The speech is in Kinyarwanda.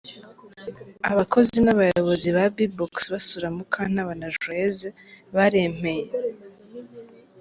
Abakozi n'abayobozi ba Bbox basura Mukantabana Joyeuse baremeye.